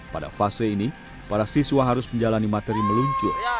pada fase ini para siswa harus menjalani materi meluncur